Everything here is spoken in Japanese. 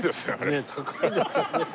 ねえ高いですよね。